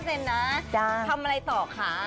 พี่ทราบทำอะไรต่อคะ